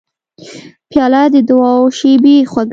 پیاله د دعاو شېبې خوږوي.